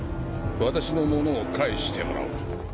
私のものを返してもらおう。